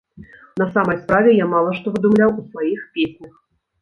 На самай справе, я мала што выдумляў ў сваіх песнях.